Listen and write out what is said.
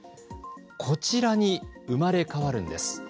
こちらに生まれ変わるんです。